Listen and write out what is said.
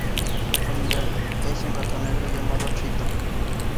Su familiar es un gato negro llamado Chito.